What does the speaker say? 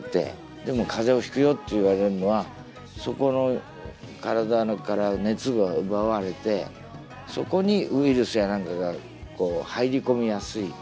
でも風邪をひくよって言われるのはそこの体から熱が奪われてそこにウイルスや何かが入り込みやすい。